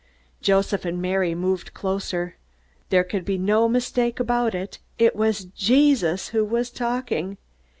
Joseph and Mary moved closer. There could be no mistake about it it was Jesus who was talking!